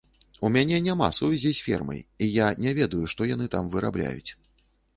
У мяне няма сувязі з фермай, і я не ведаю, што яны там вырабляюць.